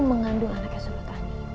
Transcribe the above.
mengandung anaknya suratani